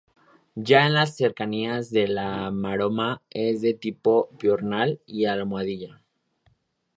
Ya en las cercanías de la Maroma es de tipo piornal y almohadilla.